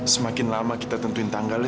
semakin lama kita tentuin tanggalnya